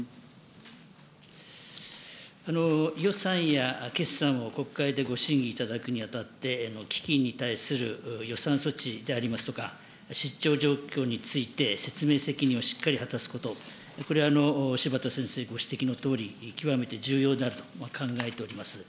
予算や決算を国会でご審議いただくにあたって、基金に対する予算措置でありますとか、状況について説明責任をしっかり果たすこと、これは柴田先生ご指摘のとおり、極めて重要であると考えております。